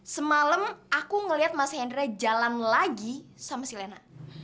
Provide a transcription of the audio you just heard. semalam aku ngeliat mas hendra jalan lagi sama si lena